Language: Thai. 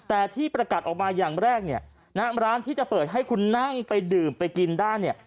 แต่ที่ประกาศออกมาอย่างแรกเนี่ยณร้านที่จะเปิดให้คุณนั่งไปดื่มไปกินได้เนี่ย